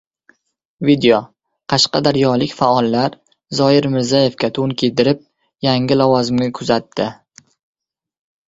Video: Qashqadaryolik faollar Zoir Mirzayevga to‘n kiydirib, yangi lavozimga kuzatdi